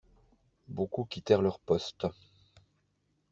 Beaucoup quittèrent leur poste.